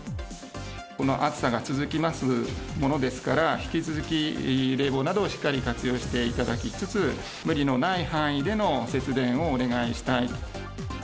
この暑さが続きますものですから、引き続き、冷房などをしっかり活用していただきつつ、無理のない範囲での節電をお願いしたい。